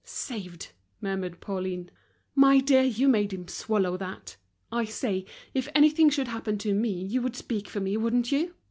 "Saved!" murmured Pauline. "My dear, you made him swallow that! I say, if anything should happen to me, you would speak for me, wouldn't you!